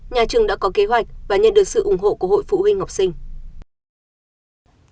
nhà trường đã có kế hoạch và nhận được sự ủng hộ của hội phụ huynh học sinh